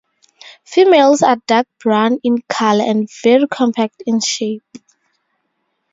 Females are dark brown in color and very compact in shape.